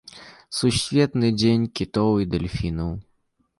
Сусветны дзень кітоў і дэльфінаў.